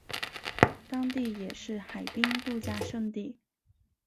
当地也是海滨度假胜地。